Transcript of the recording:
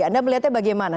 anda melihatnya bagaimana